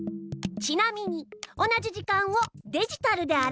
ちなみに同じ時間をデジタルであらわすと。